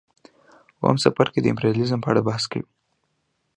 اووم څپرکی د امپریالیزم په اړه بحث کوي